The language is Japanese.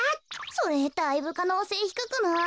それだいぶかのうせいひくくない？